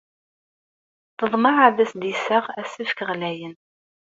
Teḍmeɛ ad as-d-iseɣ asefk ɣlayen.